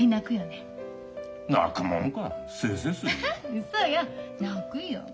うそよ泣くよ。